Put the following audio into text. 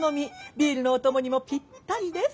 ビールのお供にもぴったりです。